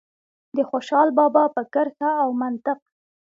د خوشال بابا په کرښه او منطق.